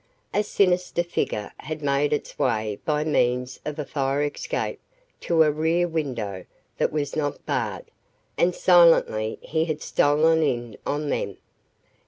A sinister figure had made its way by means of a fire escape to a rear window that was not barred, and silently he had stolen in on them.